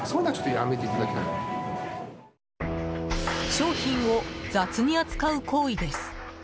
商品を雑に扱う行為です。